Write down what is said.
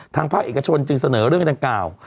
ภาคเอกชนจึงเสนอเรื่องดังกล่าว